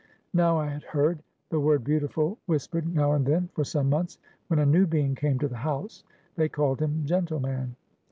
Now I had heard the word beautiful, whispered, now and then, for some months, when a new being came to the house; they called him gentleman.